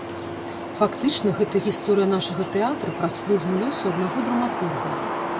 Фактычна гэта гісторыя нашага тэатра праз прызму лёсу аднаго драматурга.